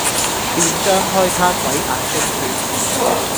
便張開他鬼眼睛説，